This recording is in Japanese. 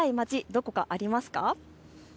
どこかありますか。